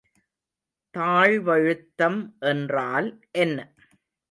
தாழ்வழுத்தம் என்றால் என்ன?